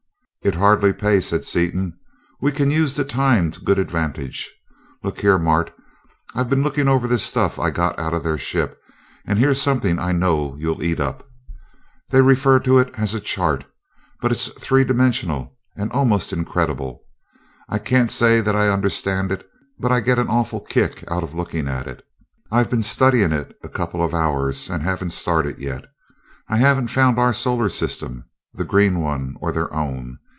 "It'd hardly pay," said Seaton. "We can use the time to good advantage. Look here, Mart I've been looking over this stuff I got out of their ship and here's something I know you'll eat up. They refer to it as a chart, but it's three dimensional and almost incredible. I can't say that I understand it, but I get an awful kick out of looking at it. I've been studying it a couple of hours, and haven't started yet. I haven't found our solar system, the green one, or their own.